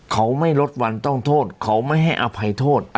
เขาไม่ลดวันต้องโทษเขาไม่ให้อภัยโทษ